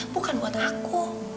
bukan buat aku